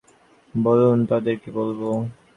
বলুন তাদের কী বলবো?